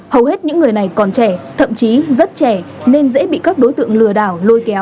hầu hết những người này còn trẻ thậm chí rất trẻ nên dễ bị các đối tượng lừa đảo